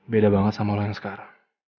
beda banget sama orang yang sekarang